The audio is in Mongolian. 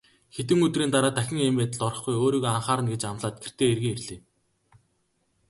Хэдэн өдрийн дараа дахин ийм байдалд орохгүй, өөрийгөө анхаарна гэж амлаад гэртээ эргэн ирлээ.